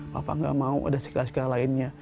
bapak tidak mau ada sakila sakila lainnya